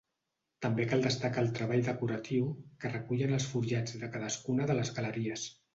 També cal destacar el treball decoratiu que recullen els forjats de cadascuna de les galeries.